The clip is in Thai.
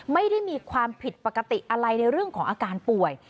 ไม่ได้มีความผิดปกติอะไรในเรื่องของอาการป่วย